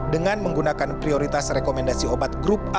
dengan menggunakan prioritas rekomendasi obat